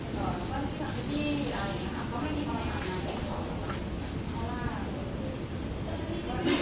จริง